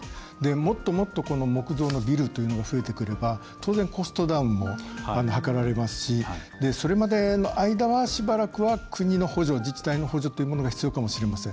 もっともっとこの木造のビルというのが増えてくれば当然コストダウンも図られますしそれまでの間はしばらくは国の補助自治体の補助というものが必要かもしれません。